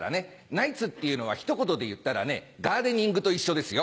ナイツっていうのは一言で言ったらねガーデニングと一緒ですよ